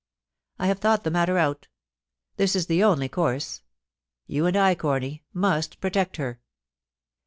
I have thought the matter out This is the only course. You and I, Corny, must protect her.